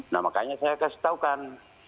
nah makanya saya kasih taukan